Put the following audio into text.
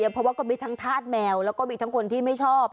เพราะว่าก็มีทั้งธาตุแมวแล้วก็มีทั้งคนที่ไม่ชอบ